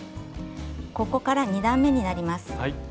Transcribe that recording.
ここから２段めになります。